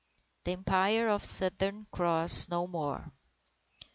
IV _The Empire of the Southern Cross No More!